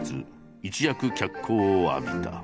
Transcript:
一躍脚光を浴びた。